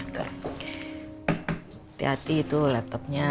hati hati tuh laptopnya